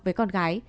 với con gái